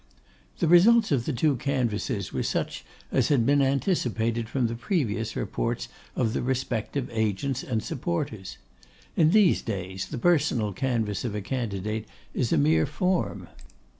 The results of the two canvasses were such as had been anticipated from the previous reports of the respective agents and supporters. In these days the personal canvass of a candidate is a mere form.